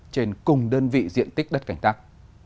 trên cùng đơn vị diện tích đất cảnh tắc